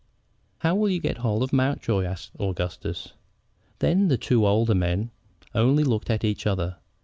"How will you get hold of Mountjoy?" asked Augustus. Then the two older men only looked at each other.